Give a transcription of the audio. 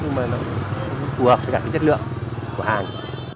nhưng mà nó phù hợp với cả cái chất lượng của hàng